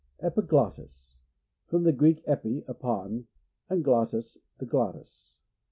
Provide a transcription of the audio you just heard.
Epiglottis. — From the Greek, epi, upon, and glottis, the glottis.